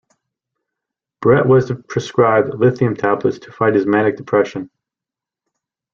Brett was prescribed lithium tablets to fight his manic depression.